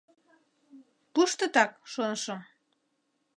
Пуштытак, шонышым.